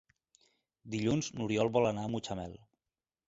Dilluns n'Oriol vol anar a Mutxamel.